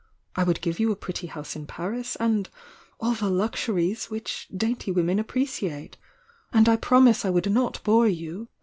I would give you a pretty house in Paris — and all the luxuries which dainty women appreciate. And I promise I would not bore you.